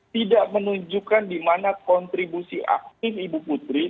tidak menunjukkan dimana kontribusi aktif ibu putri